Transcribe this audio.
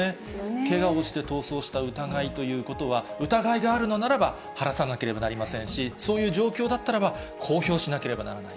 けがをして逃走した疑いということは、疑いがあるのならば、晴らさなければなりませんし、そういう状況だったらば、公表しなければならない。